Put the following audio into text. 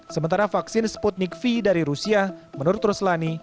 sementara vaksin sputnik v dari rusia menurut ruslani